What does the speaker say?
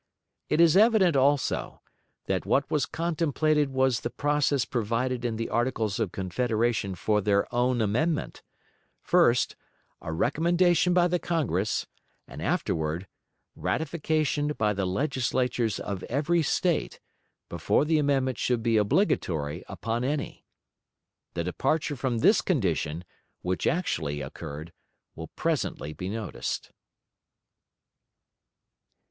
It is evident, also, that what was contemplated was the process provided in the Articles of Confederation for their own amendment first, a recommendation by the Congress; and, afterward, ratification "by the Legislatures of every State," before the amendment should be obligatory upon any. The departure from this condition, which actually occurred, will presently be noticed.